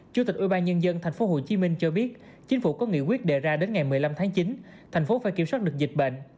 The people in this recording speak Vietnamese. chủ tịch ubnd tp hcm cho biết chính phủ có nghị quyết đề ra đến ngày một mươi năm tháng chín thành phố phải kiểm soát được dịch bệnh